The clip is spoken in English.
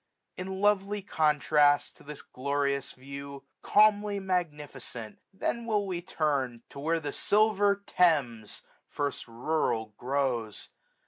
In lovely contrast to this glorious view. Calmly magnificent, then will we turn To where the silver Thames first rural grows.